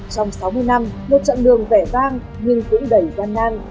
trong sáu mươi năm một trận đường vẻ vang nhưng cũng đầy gian nan